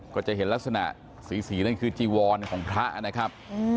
ก็จะเห็นลักษณะสีนั่นคือจีวรของพระนะครับ